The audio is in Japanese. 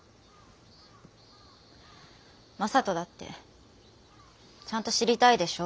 正門だってちゃんと知りたいでしょ